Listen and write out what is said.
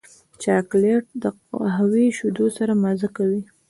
چاکلېټ د قهوې شیدو سره مزه کوي.